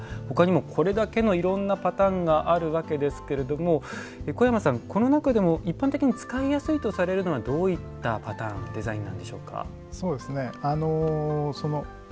ほかにもこれだけのいろんなパターンがあるわけなんですけれども小山さん、この中でも一般的に使いやすいとされるのはどういったパターンデザインなんでしょうか。